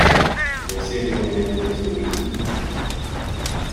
Você realmente pensou nisso?